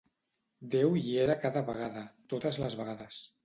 Déu hi era cada vegada, totes les vegades.